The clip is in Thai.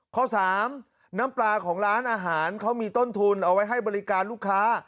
ข้อ๓น้ำปลาของร้านอาหารเขามีต้นทุนเอาไว้ให้บริการลูกค้า